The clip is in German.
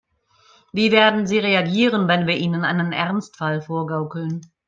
Wie werden sie reagieren, wenn wir ihnen einen Ernstfall vorgaukeln?